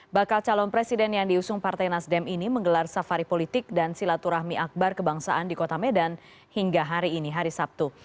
bakal calon presiden yang diusung partai nasdem ini menggelar safari politik dan silaturahmi akbar kebangsaan di kota medan hingga hari ini hari sabtu